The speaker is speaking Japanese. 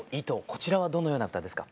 こちらはどのような歌ですか？